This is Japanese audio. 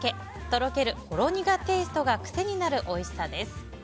とろける、ほろ苦テイストが癖になるおいしさです。